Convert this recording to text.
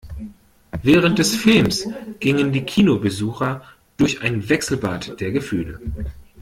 Während des Films gingen die Kinobesucher durch ein Wechselbad der Gefühle.